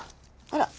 あら。